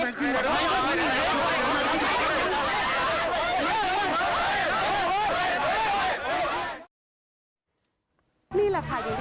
ขอบคุณครับขอบคุณครับ